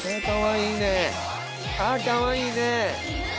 あかわいいね♥